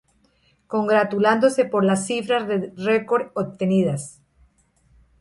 congratulándose por las cifras record obtenidas